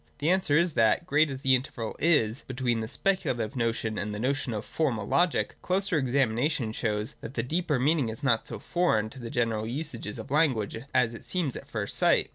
The answer is that, great as the interval is between the speculative notion and the notion of Formal Logic, a closer examination shows that the deeper meaning is not so foreign to the general usages of language as it seems at first sight.